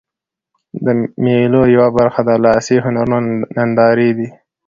د مېلو یوه برخه د لاسي هنرونو نندارې دي.